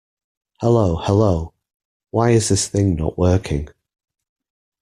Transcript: Hello hello. Why is this thing not working?